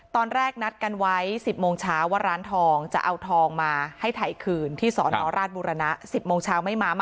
นัดกันไว้๑๐โมงเช้าว่าร้านทองจะเอาทองมาให้ถ่ายคืนที่สอนอราชบุรณะ๑๐โมงเช้าไม่มา